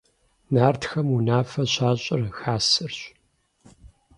Нартхэм унафэ щащӀыр хасэрщ.